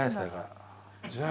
じゃあ。